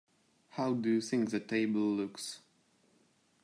How do you think the table looks?